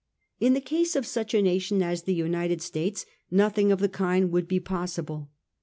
In the case of such a nation as the United States, nothing of the kind would he possible.